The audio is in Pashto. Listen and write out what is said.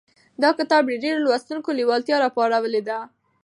دا کتاب د ډېرو لوستونکو لېوالتیا راپارولې ده.